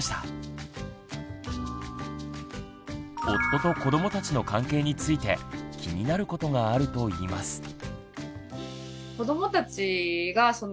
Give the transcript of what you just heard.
夫と子どもたちの関係について気になることがあるといいます。